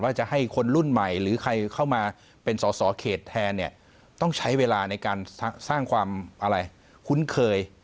จะให้คนรุ่นใหม่หรือใครเข้ามาเป็นสอสอเขตแทนเนี่ยต้องใช้เวลาในการสร้างความอะไรคุ้นเคย